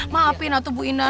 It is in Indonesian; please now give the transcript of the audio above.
maafin atuh bu indah